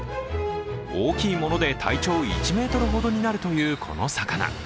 大きいもので体長１ｍほどになるというこの魚。